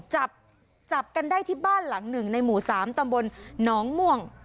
จับจับกันได้ที่บ้านหลังหนึ่งในหมู่๓ตำบลน้องม่วง